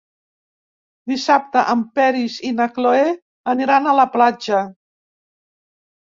Dissabte en Peris i na Cloè aniran a la platja.